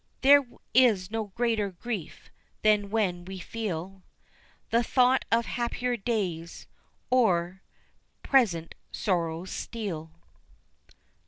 there is no greater grief than when we feel The thought of happier days o'er present sorrows steal.